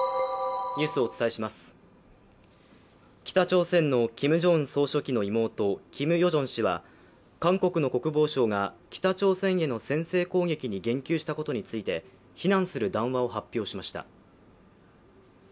北朝鮮のキム・ジョンウン総書記の妹、キム・ヨジョン氏は韓国の国防省が北朝鮮への先制攻撃に言及したことについて非難する談話を発表しました。